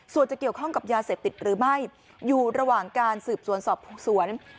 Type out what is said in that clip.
ส่วนจะเกี่ยวข้องกับยาเสพติดหรือไม่อยู่ระหว่างการสืบสวนสอบสวน